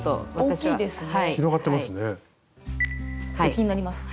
気になります。